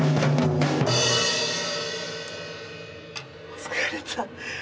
疲れた。